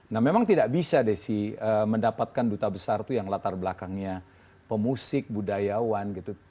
nah memang tidak bisa desi mendapatkan duta besar itu yang latar belakangnya pemusik budayawan gitu